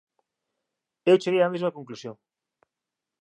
Eu cheguei á mesma conclusión.